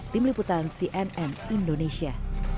tim liputan cnn indonesia